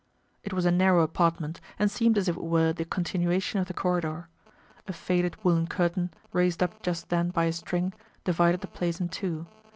It was a narrow apartment, and seemed as if it were the continuation of the corridor. A faded woolen curtain, raised up just then by a string, divided the place in two.